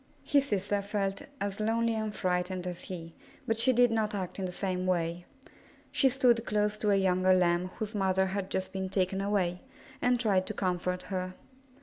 His sister felt as lonely and frightened as he, but she did not act in the same way. She stood close to a younger Lamb whose mother had just been taken away, and tried to comfort her.